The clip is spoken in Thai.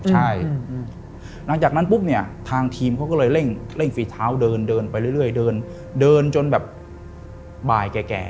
หลังจากนั้นปุ๊บเนี่ยทางทีมเค้าก็เลยเร่งฟีท้าวเดินไปเรื่อยเดินจนแบบบ่ายแก่